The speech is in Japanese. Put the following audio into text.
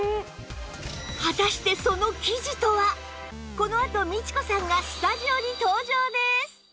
このあとミチコさんがスタジオに登場です！